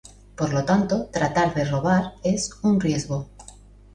Por lo tanto, tratar de robar es un riesgo.